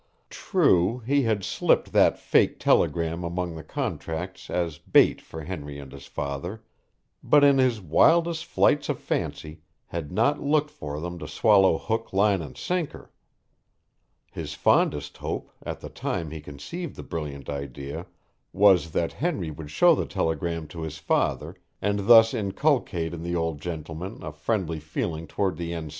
True, he had slipped that fake telegram among the contracts as bait for Henry and his father, but in his wildest flights of fancy had not looked for them to swallow hook, line, and sinker. His fondest hope, at the time he conceived the brilliant idea, was that Henry would show the telegram to his father and thus inculcate in the old gentleman a friendly feeling toward the N.